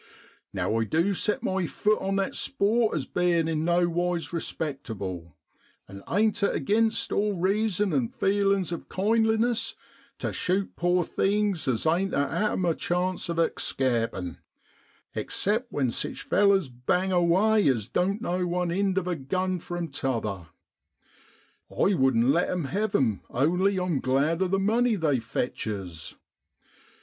'Now I du set my fut on that sport as bein' in no wise respectable; and ain't it aginst all reason an' feelin's of kindliness tu shoot poor things as ain't a atom of chance of excapin', except when sich fellers bang away as don't know one ind of a gun from t'other ? I wouldn't let 'em have 'em, only I'm glad of the money they fetches.